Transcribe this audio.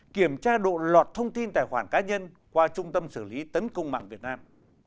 kiểm tra độ lọt thông tin tài khoản cá nhân qua trung tâm xử lý tấn công mạng việt nam